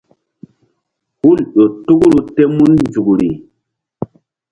Hul ƴo tukru tem mun nzukri.